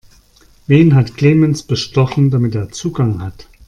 Wen hat Clemens bestochen, damit er Zugang hat?